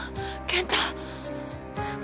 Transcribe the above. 健太。